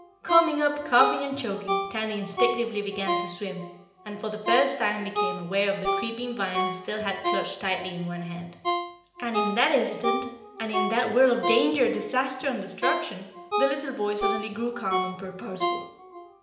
Coming up coughing and choking, Tandy instinctively began to swim and for the first time became aware of the creeping vine he still had clutched tightly in one hand. And in that instant and in that whirl of danger, disaster and destruction, the little boy suddenly grew calm and purposeful.